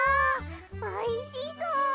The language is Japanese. おいしそう！